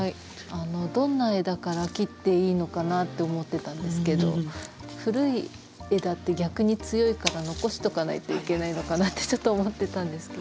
どんな枝から切っていいのかなって思ってたんですけど古い枝って逆に強いから残しとかないといけないのかなってちょっと思ってたんですけど